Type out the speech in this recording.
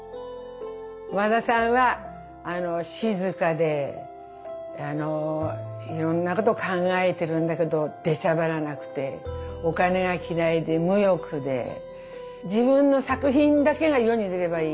和田さんは静かでいろんなこと考えてるんだけど出しゃばらなくてお金が嫌いで無欲で自分の作品だけが世に出ればいい